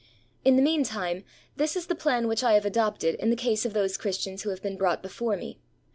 In the mean time, this is the plan which I have adopted in the case of those Christians who have been brought before me.